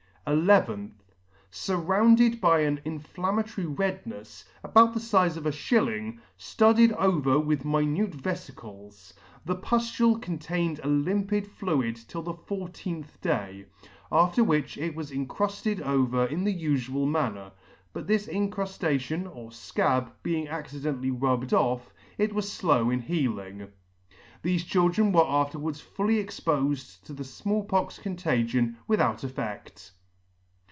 11th. Surrounded by an inflammatory rednefs, about the fize of a fhilling, fludded over with minute veficles. The puftule contained a limpid fluid till the fourteenth day, after which it was incrufted over in the ufual manner j but this in cruflation or fcab being accidentally rubbed off, it was flow in healing. Thefe children were afterwards fully expofed to the Small pox contagion without effedl.